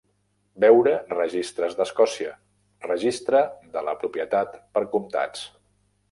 Veure registres d'Escòcia, Registre de la propietat per comtats.